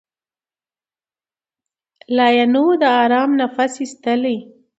لا یې نه وو د آرام نفس ایستلی